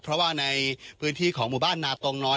เพราะว่าในพื้นที่ของหมู่บ้านนาตรงน้อย